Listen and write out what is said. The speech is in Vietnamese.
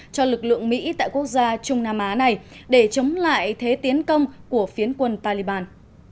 cho lực lượng mỹ tại quốc gia trung nam á này để chống lại thế tiến công của phiến quân taliban